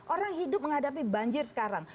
orang hidup menghadapi banjir sekarang